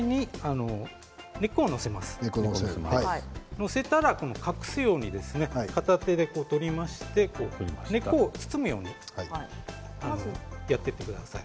載せたら隠すように片手で取りまして根っこを包むようにやっていってください。